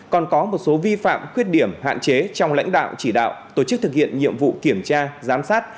còn có một số vi phạm khuyết điểm hạn chế trong lãnh đạo chỉ đạo tổ chức thực hiện nhiệm vụ kiểm tra giám sát